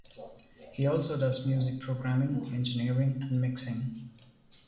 He also does music programming, engineering, and mixing.